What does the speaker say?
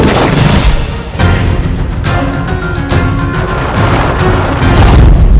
pilih agama dalam jalan ini